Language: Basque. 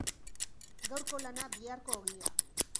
Gaurko lana, biharko ogia.